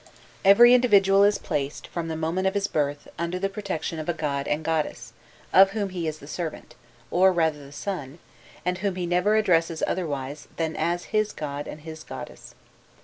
Every individual is placed, from the moment of his birth, under the protection of a god and goddess, of whom he is the servant, or rather the son, and whom he never addresses otherwise than as his god and his goddess.